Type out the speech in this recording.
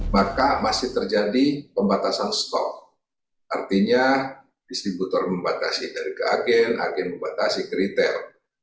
maka masih terjadi pembatasan stok artinya distributor membatasi dari ke agen agen membatasi ke retail